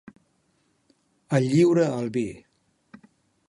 Al lliure albir.